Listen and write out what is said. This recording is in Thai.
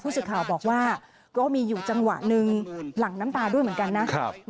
สื่อข่าวบอกว่าก็มีอยู่จังหวะหนึ่งหลังน้ำตาด้วยเหมือนกันนะครับ